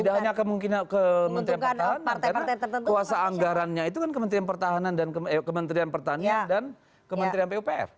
tidak hanya ke kementerian pertahanan karena kuasa anggarannya itu kan kementerian pertanian dan kementerian pupr